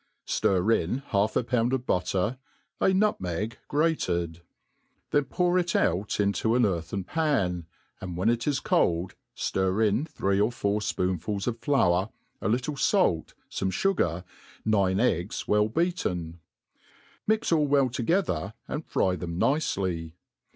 Stir in half a pound of butter, a nutmeg grated; then pour it out into an earthen pan, and when it is cold, ftir in three or four fpoonfuls of flour, a little fait, fome fugar^ nine eggs well beaten; mix all well together, .and fry them nkely.